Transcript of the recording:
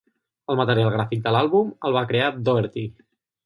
El material gràfic de l'àlbum el va crear Doherty.